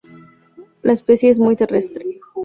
La especie es muy terrestre.